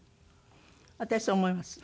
私そう思います。